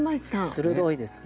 鋭いですね。